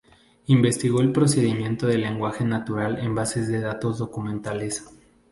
Investigó el procesamiento del lenguaje natural en bases de datos documentales.